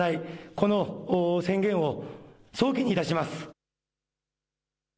この宣言を早期に出します。